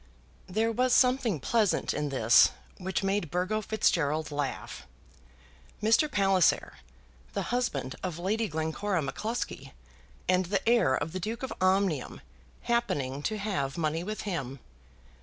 There was something pleasant in this, which made Burgo Fitzgerald laugh. Mr. Palliser, the husband of Lady Glencora M'Cluskie, and the heir of the Duke of Omnium happening to have money with him!